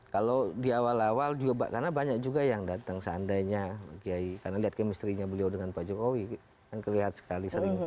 kalau di awal awal karena banyak juga yang datang seandainya karena lihat kemisterinya beliau dengan pak jokowi kan kelihatan sekali